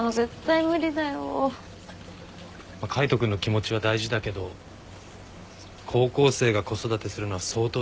海斗君の気持ちは大事だけど高校生が子育てするのは相当大変だよね。